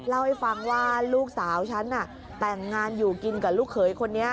เล่าให้ฟังว่าลูกสาวฉันน่ะแต่งงานอยู่กินกับลูกเขยคนนี้